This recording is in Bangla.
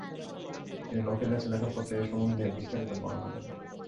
তিনি লকের কাছে লেখা পত্রে এ সম্বন্ধে বিস্তারিত বর্ণনা দেন।